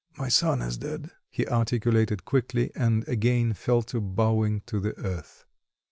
"My son is dead," he articulated quickly, and again fell to bowing to the earth.